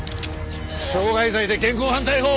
傷害罪で現行犯逮捕！